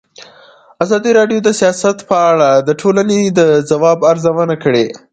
ازادي راډیو د سیاست په اړه د ټولنې د ځواب ارزونه کړې.